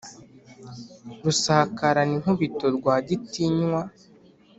Rusakarana inkubito Rwagitinywa,